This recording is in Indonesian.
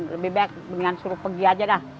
lebih baik mendingan suruh pergi aja dah